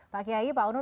pak kiai pak onur